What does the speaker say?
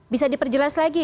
bisa diperjelas lagi